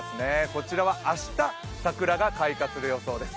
こちらは明日桜が開花する予想です。